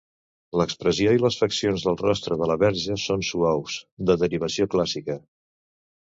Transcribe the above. L'expressió i les faccions del rostre de la Verge són suaus, de derivació clàssica.